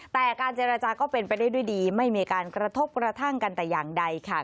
แต่การเจรจาก็เป็นไปได้ด้วยดีไม่มีการกระทบกระทั่งกันแต่อย่างใดค่ะ